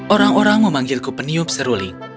orang orang memanggilku peniup seruling